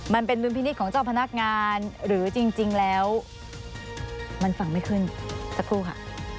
มันเป็นดุลพินิษฐ์ของเจ้าพนักงานหรือจริงแล้วมันฟังไม่ขึ้นสักครู่ค่ะ